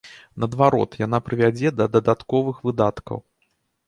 Наадварот, яна прывядзе да дадатковых выдаткаў.